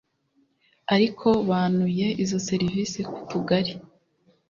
ariko banuye izo serivisi ku tugari